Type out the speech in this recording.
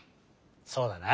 そうだな。